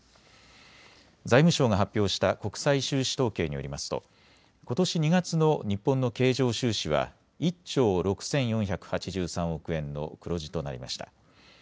財務省が発表した国際収支統計によりますとことし２月の日本の経常収支は１兆６４８３億円の黒字となりました。